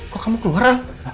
kok kamu keluar